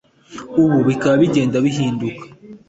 ubu bikaba bigenda bihinduka